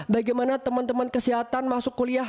bagaimana teman teman kesehatan masuk kuliah